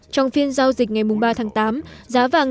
trong phiên giao dịch ngày ba tháng tám